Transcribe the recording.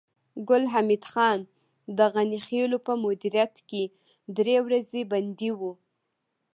ګل حمید خان د غني خېلو په مدیریت کې درې ورځې بندي و